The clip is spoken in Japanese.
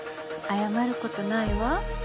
謝ることないわ。